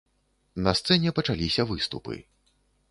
На сцэне пачаліся выступы.